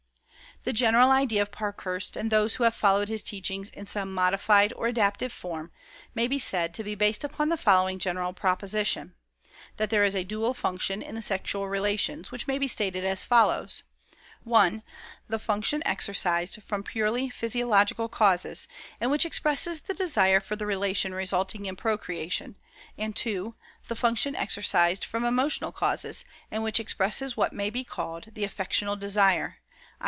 The general idea of Parkhurst, and those who have followed his teachings in some modified or adapted form, may be said to be based upon the following general proposition: That there is a dual function in the sexual relations, which may be stated as follows: (1) the function exercised from purely physiological causes, and which expresses the desire for the relation resulting in procreation; and (2) the function exercised from emotional causes, and which expresses what may be called the "affectional desire," i.